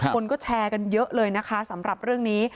คนก็แชร์กันเยอะเลยนะคะสำหรับเรื่องนี้